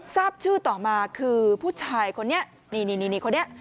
ทราบชื่อต่อมาคือผู้ชายคนนี้นี่คนนี้